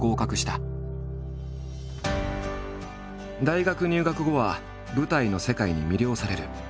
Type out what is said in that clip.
大学入学後は舞台の世界に魅了される。